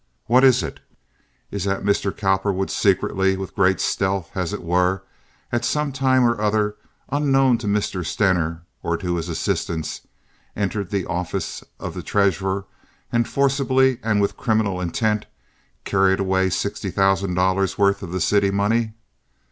What is it? Is it that Mr. Cowperwood secretly, with great stealth, as it were, at some time or other, unknown to Mr. Stener or to his assistants, entered the office of the treasurer and forcibly, and with criminal intent, carried away sixty thousand dollars' worth of the city's money?